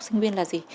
sinh viên là gì